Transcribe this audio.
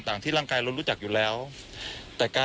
คุณทัศนาควดทองเลยค่ะ